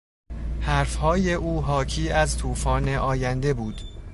حرفهای او حاکی از توفان آینده بود.